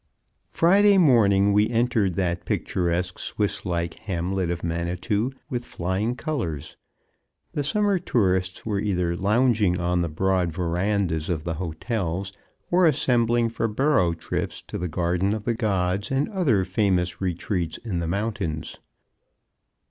Friday morning we entered that picturesque Swisslike hamlet of Manitou with flying colors. The summer tourists were either lounging on the broad verandas of the hotels or assembling for burro trips to the Garden of the Gods and other famous retreats in the mountains.